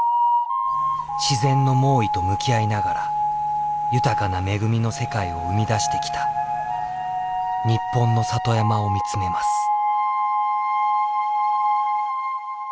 自然の猛威と向き合いながら豊かな恵みの世界を生み出してきた日本の里山を見つめます。